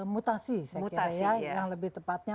mutasi saya kira